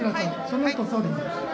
そのあと総理です。